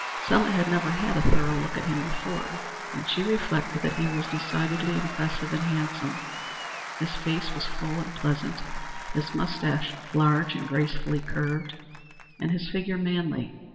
Selma had never had a thorough look at him before, and she reflected that he was decidedly impressive and handsome. His face was full and pleasant, his mustache large and gracefully curved, and his figure manly.